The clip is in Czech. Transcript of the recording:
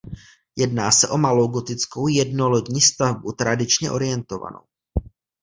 Jedná se o malou gotickou jednolodní stavbu tradičně orientovanou.